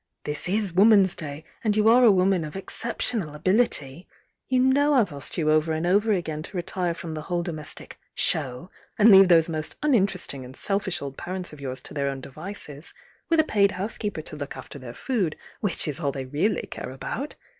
This is Woman's Duy, and you are a woman of exceptional ability. You know I've asked you over and over again to retire from the whole domestic 'show,' and leave those most uninteresting and selfish old parents of yours to their own devices, with a paid housekeeper to look after their f od, which is all they really care about.